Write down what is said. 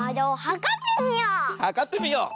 はかってみよう！